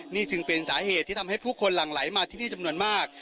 นี่จึงเป็นสาเหตุที่ทำให้ผู้คนหลั่งไหลมาที่นี่จำนวนมาก